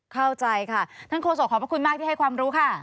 เข้าใจค่ะท่านโฆษกขอบพระคุณมากที่ให้ความรู้ค่ะ